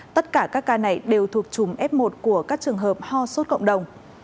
tất cả các ca này đều thuộc chùm f một của các trường hợp ho sốt cộng đồng